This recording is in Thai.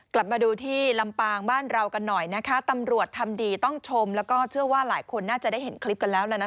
กลับมาดูที่ลำปางบ้านเรากันหน่อยนะคะตำรวจทำดีต้องชมแล้วก็เชื่อว่าหลายคนน่าจะได้เห็นคลิปกันแล้วนะ